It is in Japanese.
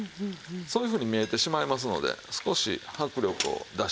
そういうふうに見えてしまいますので少し迫力を出しましょうか。